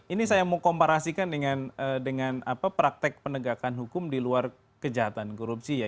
ini saya mau komparasikan dengan praktek penegakan hukum di luar kejahatan korupsi ya